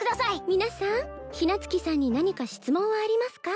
皆さん陽夏木さんに何か質問はありますか？